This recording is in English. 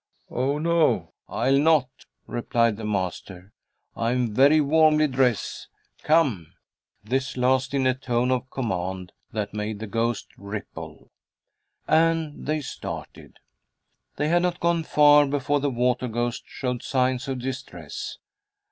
"Oh no, I'll not," replied the master. "I am very warmly dressed. Come!" This last in a tone of command that made the ghost ripple. And they started. They had not gone far before the water ghost showed signs of distress.